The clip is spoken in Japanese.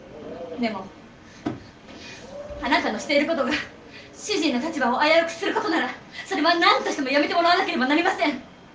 でもあなたのしていることが主人の立場を危うくすることならそれは何としてもやめてもらわなければなりません！